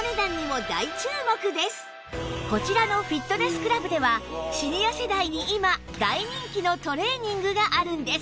こちらのフィットネスクラブではシニア世代に今大人気のトレーニングがあるんです